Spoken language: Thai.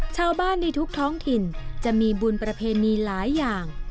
ชาวบ้านในทุกท้องถิ่นจะมีบุญประเพณีหลายอย่าง